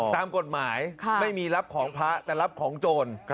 ตามกฎหมายไม่มีรับของพระแต่รับของโจร